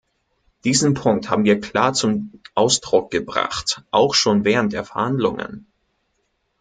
Diesen Punkt haben wir klar zum Ausdruck gebracht, auch schon während der Verhandlungen.